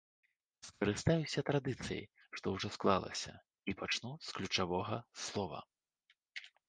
Скарыстаюся традыцыяй, што ўжо склалася, і пачну з ключавога слова.